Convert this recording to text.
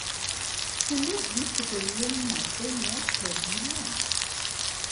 Kulit di sekeliling matanya kebiruan